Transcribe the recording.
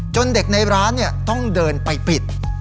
จนเด็กในร้านเนี่ยต้องเดินไปปิด